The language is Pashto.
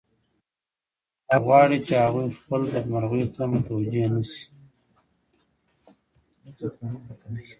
هغه غواړي چې هغوی خپلو بدمرغیو ته متوجه نشي